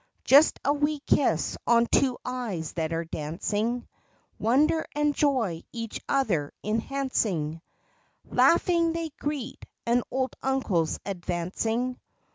Just a wee kiss on two eyes that are dancing; Wonder and joy each other enhancing; Laughing, they greet an old uncle's advancing.